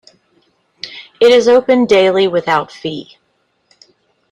It is open daily without fee.